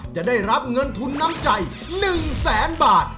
จะได้รับเงินทุนน้ำใจ๑แสนบาท